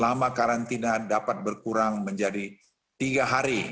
lama karantina dapat berkurang menjadi tiga hari